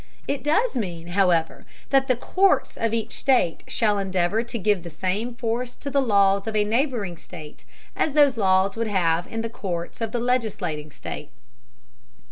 It does mean, however, that the courts of each state shall endeavor to give the same force to the laws of a neighboring state as those laws would have in the courts of the legislating state.